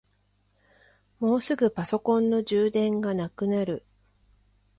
もうすぐパソコンの充電がなくなる。